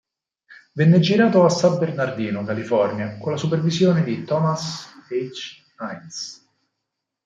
Venne girato a San Bernardino, California, con la supervisione di Thomas H. Ince.